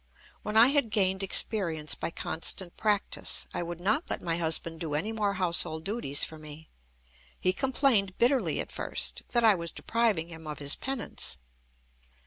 When I had gained experience by constant practice, I would not let my husband do any more household duties for me. He complained bitterly at first that I was depriving him of his penance.